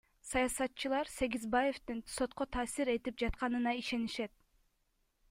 Саясатчылар Сегизбаевдин сотко таасир этип жатканына ишенишет.